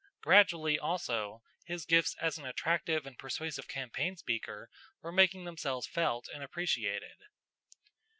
Gradually, also, his gifts as an attractive and persuasive campaign speaker were making themselves felt and appreciated.